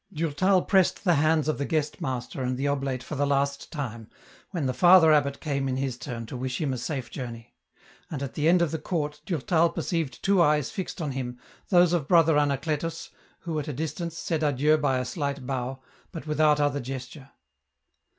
Durtal pressed the hands of the guest master and the oblate for the last time, when the Father abbot came in his turn to wish him a safe journey ; and at the end of the court Durtal perceived two eyes fixed on him, those of Brother Anacletus, who, at a distance, said adieu by a slight bow, but without other gesture.